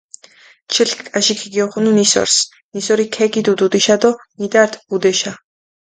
ჩილქ კაჟი ქიგიოხუნუ ნისორს, ნისორი ქეგიდუ დუდიშა დო მიდართჷ ჸუდეშა.